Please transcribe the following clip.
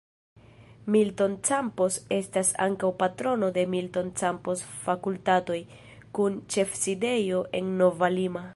Milton Campos estas ankaŭ patrono de "Milton Campos Fakultatoj", kun ĉefsidejo en Nova Lima.